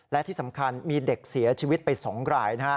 และที่สำคัญมีเด็กเสียชีวิตไป๒ราย